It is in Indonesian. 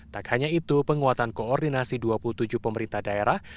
tak hanya itu penguatan koordinasi dua puluh tujuh pemerintah daerah